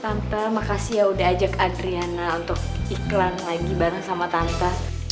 tante makasih ya udah ajak adriana untuk iklan lagi bareng sama tante